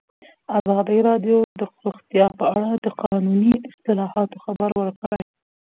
ازادي راډیو د روغتیا په اړه د قانوني اصلاحاتو خبر ورکړی.